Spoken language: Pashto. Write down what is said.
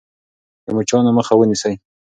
د مچانو مخه ونیسئ.